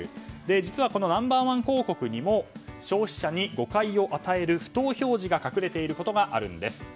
実は、ナンバー１広告にも消費者に誤解を与える不当表示が隠れていることがあるんです。